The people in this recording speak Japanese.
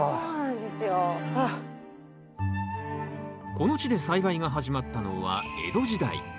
この地で栽培が始まったのは江戸時代。